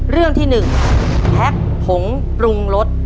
เรื่องที่หนึ่งแพ็คผงปรุงรถ